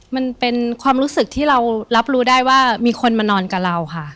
มันเป็นความรู้สึกที่เรารับรู้ได้ว่ามีคนมานอนกับเราค่ะ